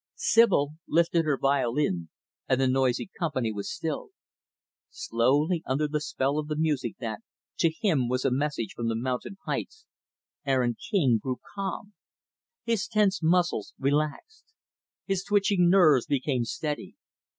Sibyl lifted her violin and the noisy company was stilled. Slowly, under the spell of the music that, to him, was a message from the mountain heights, Aaron King grew calm. His tense muscles relaxed. His twitching nerves became steady.